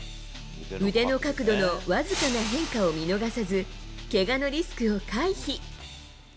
腕の角度の僅かな変化を見逃さず、けがのリスクを回避。